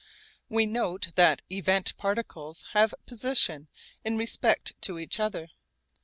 We note that event particles have 'position' in respect to each other.